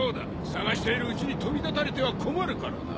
捜しているうちに飛び立たれては困るからな。